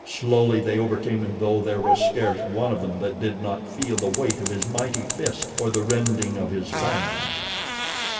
Slowly they overcame him though there was scarce one of them that did not feel the weight of his mighty fist or the rending of his fangs.